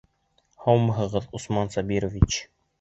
Һаумыһығыҙ, Усман Сабирович!